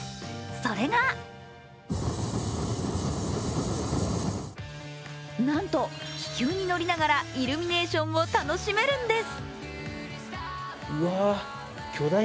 それがなんと気球に乗りながらイルミネーションを楽しめるんです。